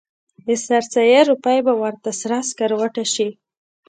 د سر سایې روپۍ به ورته سره سکروټه شي.